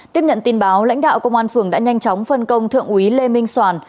tiếp nhận tin báo lãnh đạo công an phường đã nhanh chóng phân công thượng úy lê minh soàn